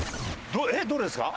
えっどれですか？